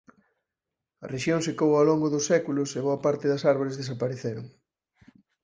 A rexión secou ao longo dos séculos e boa parte das árbores desapareceron.